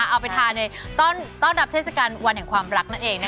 เอาไปทานในต้อนรับเทศกาลวันแห่งความรักนั่นเอง